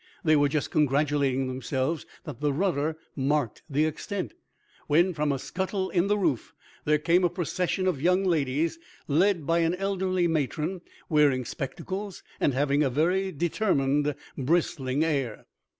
They were just congratulating themselves that the rudder marked the extent, when, from a scuttle in the roof there came a procession of young ladies, led by an elderly matron, wearing spectacles and having a very determined, bristling air.